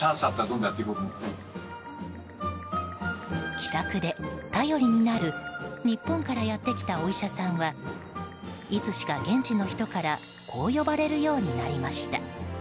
気さくで頼りになる日本からやってきたお医者さんはいつしか現地の人からこう呼ばれるようになりました。